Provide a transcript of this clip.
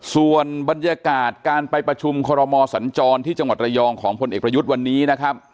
ส่วนบรรยากาศการไปประชุมคอรมอสัญจรที่จังหวัดระยองของพลเอกประยุทธ์วันนี้นะครับ